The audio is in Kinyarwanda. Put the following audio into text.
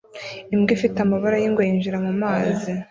Imbwa ifite amabara yingwe yinjira mumazi